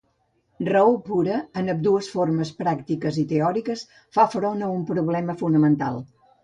Raó pura, en ambdues formes pràctiques i teòriques, fa front a un problema fonamental.